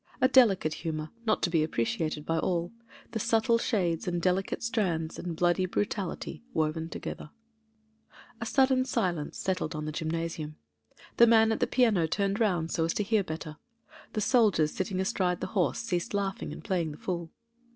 A delicate humour, not to be appreciated by all: with subtle shades and delicate strands and bloody brutality woven together. ...■•■•• A sudden silence settled on the gymnasium; the man at the piano turned round so as to hear better; the soldiers sitting astride the horse ceased laughing and playing the fool.